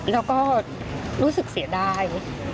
แล้วก็รู้สึกเสียดาย